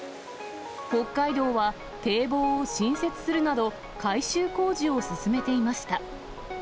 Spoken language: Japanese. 北海道は、堤防を新設するなど、改修工事を進めていました。